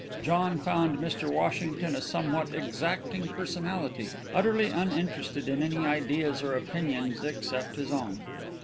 John found Mr. Washington a somewhat exacting personality utterly uninterested in any ideas or opinions except his own.